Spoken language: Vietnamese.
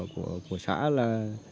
của xã là